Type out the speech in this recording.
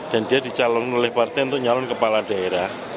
dan dia dicalon oleh partai untuk nyalon kepala daerah